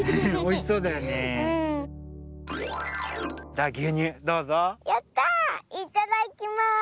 いただきます！